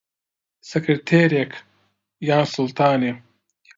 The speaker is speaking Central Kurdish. سکرتێرێک... یا سوڵتانێ